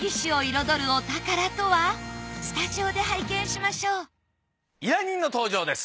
スタジオで拝見しましょう依頼人の登場です。